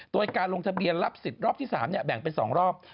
โดยการลงทะเบียนรับสิทธิ์รอบที่๓แบ่งเป็น๒รอบ